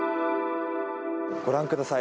ご覧ください。